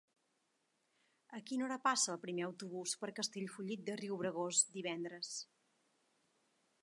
A quina hora passa el primer autobús per Castellfollit de Riubregós divendres?